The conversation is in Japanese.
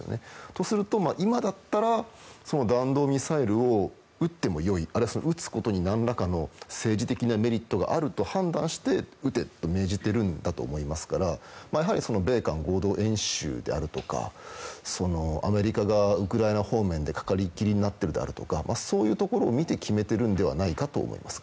とすると、今だったらその弾道ミサイルを撃っても良いあるいは撃つことに何らかの政治的メリットがあると判断して撃てと命じてるんだと思いますからやはりその米韓合同演習であるとかアメリカがウクライナ方面でかかりきりになっているということだとかそういうところを見て決めてるのではと思います。